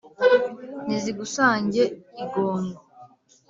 nizigusange igongo